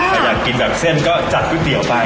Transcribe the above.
อายะอยากกินแบบเส้นก็จัดกำแน่วนไป